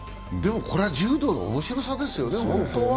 これは柔道の面白さですよね。